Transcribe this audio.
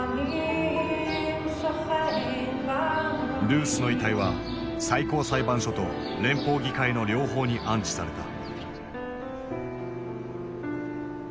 ルースの遺体は最高裁判所と連邦議会の両方に安置された。